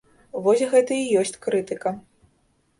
Вось гэта і ёсць крытыка.